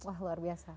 wah luar biasa